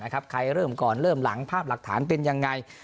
ใครเริ่มก่อนเริ่มหลังภาพหลักฐานเป็นยังไง